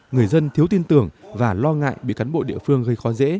người dân thiếu tin tưởng và lo ngại bị cán bộ địa phương gây khó dễ